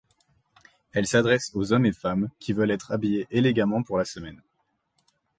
Elle s'adresse aux hommes et femmes qui veulent être habillés élégamment pour la semaine.